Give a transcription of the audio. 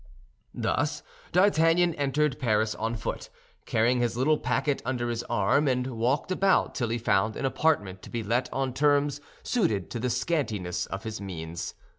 Thus D'Artagnan entered Paris on foot, carrying his little packet under his arm, and walked about till he found an apartment to be let on terms suited to the scantiness of his means.